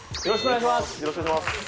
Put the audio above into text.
よろしくお願いします。